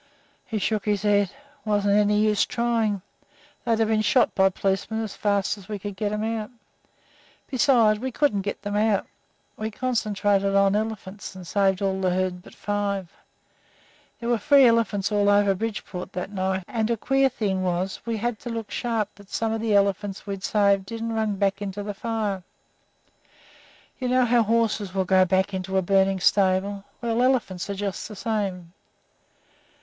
He shook his head. "Wasn't any use trying. They'd have been shot by policemen as fast as we could get 'em out. Besides, we couldn't get 'em out. We concentrated on elephants, and saved all the herd but five. There were free elephants all over Bridgeport that night, and a queer thing was we had to look sharp that some of the elephants we'd saved didn't run back into the fire. You know how horses will go back into a burning stable. Well, elephants are just the same.